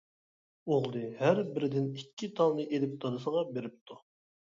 ئوغلى ھەر بىرىدىن ئىككى تالنى ئېلىپ دادىسىغا بېرىپتۇ.